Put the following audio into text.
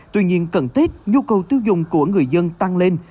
tuy nhiên cần thiết nhu cầu tiêu dùng của người dân tăng lên